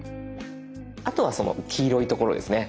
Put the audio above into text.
あとはその黄色いところですね。